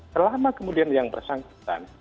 selama kemudian yang bersangkutan